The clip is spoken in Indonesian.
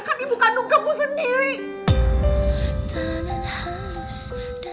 hubungi liat situ lgbt rozak